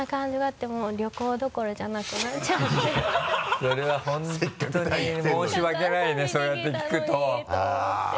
それは本当に申し訳ないねそうやって聞くと。